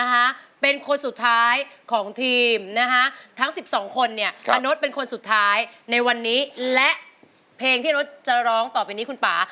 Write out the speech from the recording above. เฮโนสต์เป็นคนสุดท้ายในวันนี้และเพลงที่โนสต์จะร้องต่อไปนี้คุณป่า